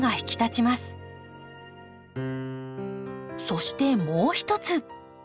そしてもう一つ。